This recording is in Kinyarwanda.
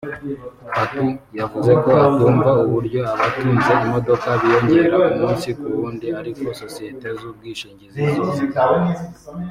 Fatou yavuze ko atumva uburyo abatunze imodoka biyongera umunsi ku wundi ariko sosiyete z’ubwishingizi zo zigahomba